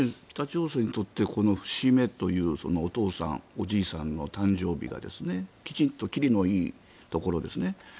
北朝鮮にとって、この節目というお父さん、おじいさんの誕生日がきちんと切りのいいところですね